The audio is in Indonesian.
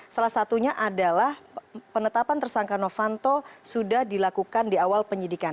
salah satunya adalah penetapan tersangka novanto sudah dilakukan di awal penyidikan